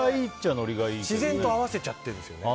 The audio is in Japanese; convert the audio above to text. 自然と合わせちゃってるんですよね。